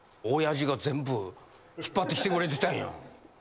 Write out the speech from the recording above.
親父が全部引っ張ってきてくれてたんや。